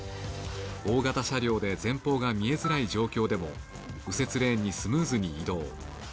大型車両で前方が見えづらい状況でも右折レーンにスムーズに移動。